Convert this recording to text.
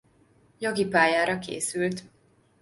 Jogi pályára készült.